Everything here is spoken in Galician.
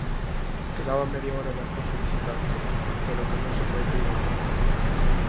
Quedaba media hora de acoso visitante, pero que non se traduciu no empate.